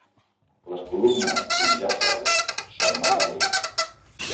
Les columnes i jàsseres són metàl·lics.